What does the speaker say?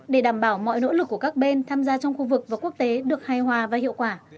để đảm bảo mọi nỗ lực của các bên tham gia trong khu vực và quốc tế được hài hòa và hiệu quả